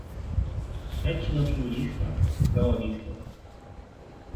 Etnopluralista, gaullistas